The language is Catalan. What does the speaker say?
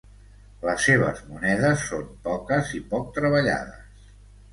Les seves monedes són poques i poc treballades.